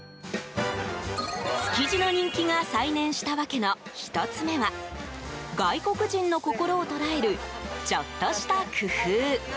築地の人気が再燃した訳の１つ目は外国人の心を捉えるちょっとした工夫。